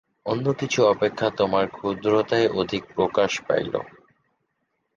অন্য কিছু অপেক্ষা তোমার ক্ষুদ্রতাই অধিক প্রকাশ পাইল।